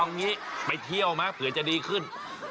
อังเงี้ยไปเที่ยวมาจะดีขึ้น